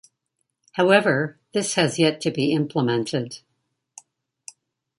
However, this has yet to be implemented.